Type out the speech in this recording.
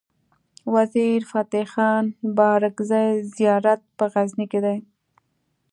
وزیر فتح خان بارګزی زيارت په غزنی کی دی